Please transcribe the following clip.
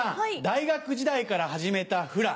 大学時代から始めたフラ。